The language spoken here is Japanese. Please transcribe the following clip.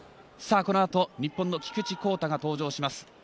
この後日本の菊池耕太が登場します。